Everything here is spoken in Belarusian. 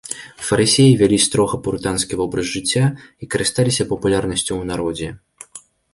Фарысеі вялі строга пурытанскі вобраз жыцця і карысталіся папулярнасцю ў народзе.